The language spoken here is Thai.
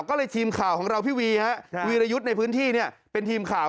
ก็เลยทีมข่าวของเราพี่วีวีรยุทธ์ในพื้นที่เป็นทีมข่าว